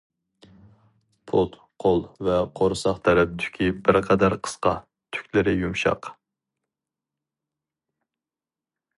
پۇت-قول ۋە قورساق تەرەپ تۈكى بىرقەدەر قىسقا، تۈكلىرى يۇمشاق.